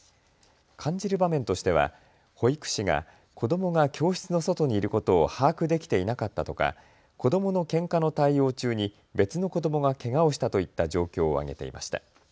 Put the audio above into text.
感じる場面としては保育士が子どもが教室の外にいることを把握できていなかったとか子どものけんかの対応中に別の子どもがけがをしたといった状況を挙げていました。